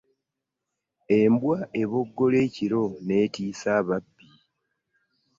Embwa eboggola ekiro n'etiisa ababbi.